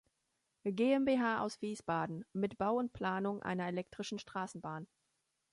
GmbH aus Wiesbaden mit Bau und Planung einer elektrischen Straßenbahn.